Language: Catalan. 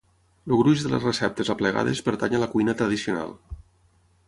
El gruix de les receptes aplegades pertany a la cuina tradicional